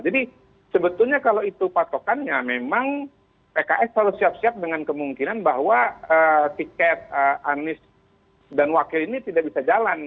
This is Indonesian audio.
jadi sebetulnya kalau itu patokannya memang pks selalu siap siap dengan kemungkinan bahwa tiket anies dan wakil ini tidak bisa jalan